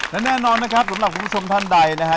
และแน่นอนนะครับสำหรับคุณผู้ชมท่านใดนะฮะ